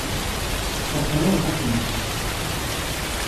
Son prénom est inconnu.